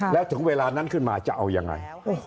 แล้วถึงเวลานั้นขึ้นมาจะเอายังไง